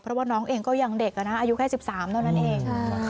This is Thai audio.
เพราะว่าน้องเองก็ยังเด็กอายุแค่๑๓เท่านั้นเอง